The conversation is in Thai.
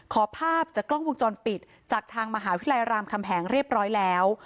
ภาพจากกล้องวงจรปิดจากทางมหาวิทยาลัยรามคำแหงเรียบร้อยแล้ว